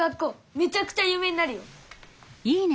めちゃくちゃゆう名になるよ！